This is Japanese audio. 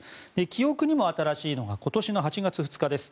記憶にも新しいのが今年の８月２日です。